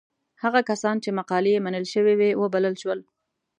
هغه کسان چې مقالې یې منل شوې وې وبلل شول.